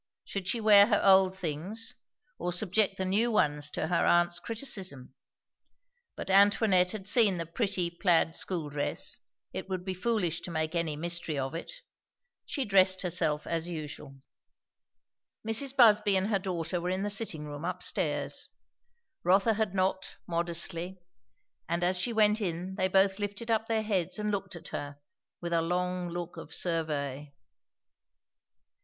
Should she wear her old things? or subject the new ones to her aunt's criticism? But Antoinette had seen the pretty plaid school dress; it would be foolish to make any mystery of it. She dressed herself as usual. Mrs. Busby and her daughter were in the sitting room up stairs. Rotha had knocked, modestly, and as she went in they both lifted up their heads and looked at her, with a long look of survey.